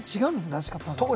出し方が。